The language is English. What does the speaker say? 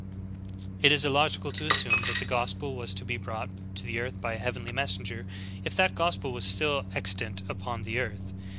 It is illogical to assume that the gospel was to be brought to earth by a heavenly messenger if that gospel was still extant upon the earth.